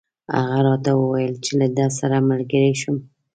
هغه راته وویل چې له ده سره ملګری شم.